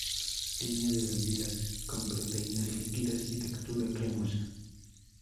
Línea de bebidas con proteínas líquidas y textura cremosa.